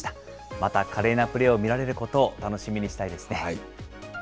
また華麗なプレーを見られることを楽しみにしたいですね。